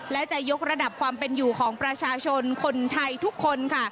และจะยกระดับความเป็นอยู่ของประชาชนคนไทยทุกคนค่ะ